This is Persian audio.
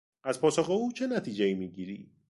از پاسخ او چه نتیجهای میگیری؟